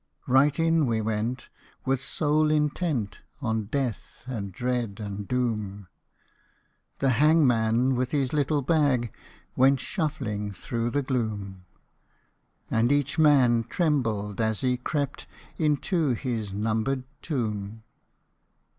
Right in we went, with soul intent On Death and Dread and Doom: The hangman, with his little bag, Went shuffling through the gloom: And each man trembled as he crept Into his numbered tomb.